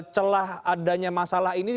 celah adanya masalah ini